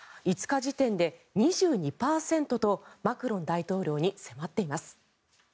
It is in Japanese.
５日時点で２２％とマクロン大統領に迫っています。